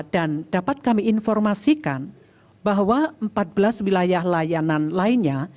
dan dapat kami informasikan bahwa empat belas wilayah layanan lainnya